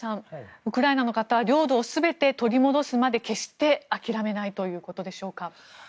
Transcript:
ウクライナの方領土を全て取り戻すまで決して諦めないということでしょうか。